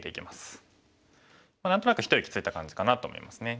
何となく一息ついた感じかなと思いますね。